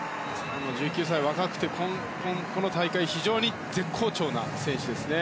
１９歳、若くてこの大会、非常に絶好調な選手ですね。